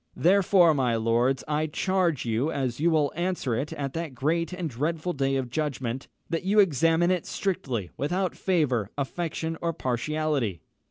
Therefore, my lords, I charge you, as you will answer it at that great and dreadful day of judgment, that you examine it strictly, without favour, affection, or partiality.